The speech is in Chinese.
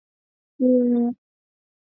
阿多尼是印度安得拉邦的一座城市。